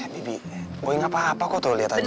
bibi gue nggak apa apa kok tuh lihat aja